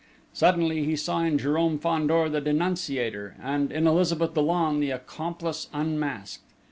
Suddenly, he saw in Jérôme Fandor the denunciator, and in Elizabeth Dollon, the accomplice unmasked.